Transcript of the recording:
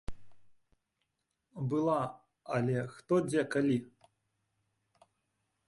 Была, але хто, дзе, калі?